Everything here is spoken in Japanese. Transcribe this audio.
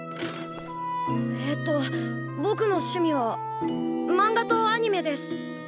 えっとぼくの趣味はマンガとアニメです。